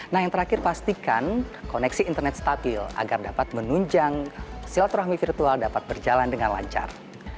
nah yang terakhir pastikan koneksi internet stabil agar dapat menunjang silaturahmi virtual dapat berjalan dengan lancar